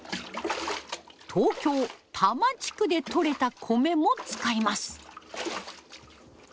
東京多摩地区でとれた米も使います。